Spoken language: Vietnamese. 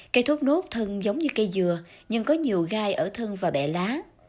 cây thốt nốt thân giống như cây dừa nhưng có nhiều gai ở thân và bẻ lá